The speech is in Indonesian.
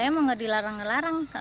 saya mau gak dilarang larang